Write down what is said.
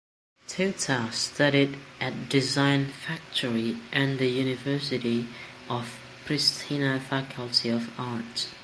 Teuta studied at Design Factory and the University of Pristina Faculty of Arts.